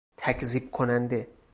تکذیب کننده